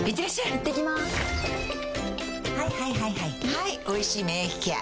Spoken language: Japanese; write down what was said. はい「おいしい免疫ケア」